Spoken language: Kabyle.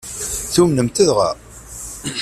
Tumnem-t dɣa?